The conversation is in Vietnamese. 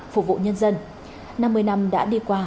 phục vụ nhân dân năm mươi năm đã đi qua